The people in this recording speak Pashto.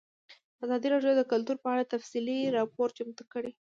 ازادي راډیو د کلتور په اړه تفصیلي راپور چمتو کړی.